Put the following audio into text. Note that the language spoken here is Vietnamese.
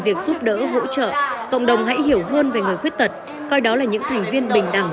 việc giúp đỡ hỗ trợ cộng đồng hãy hiểu hơn về người khuyết tật coi đó là những thành viên bình đẳng